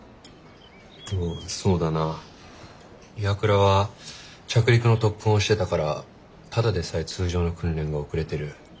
そうだな岩倉は着陸の特訓をしてたからただでさえ通常の訓練が遅れてる。